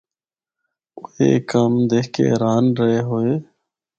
اُو اے کمّ دکھ کے حیران رہ ہوئے۔